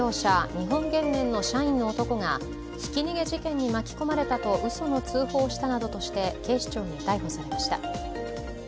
日本原燃の社員の男がひき逃げ事件に巻き込まれたとうその通報をしたなどとして警視庁に逮捕されました。